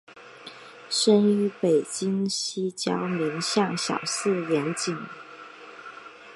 生于北京西郊民巷小四眼井。